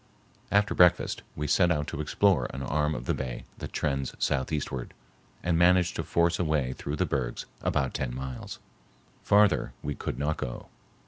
After breakfast we set out to explore an arm of the bay that trends southeastward, and managed to force a way through the bergs about ten miles. Farther we could not go.